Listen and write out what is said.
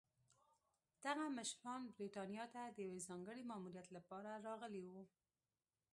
دغه مشران برېټانیا ته د یوه ځانګړي ماموریت لپاره راغلي وو.